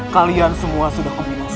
kalian semua sudah keminus